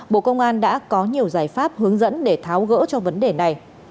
bộ công an đã có nhiều giải pháp hướng dẫn để tháo gỡ cho vấn đề này